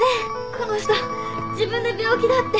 この人自分で病気だって。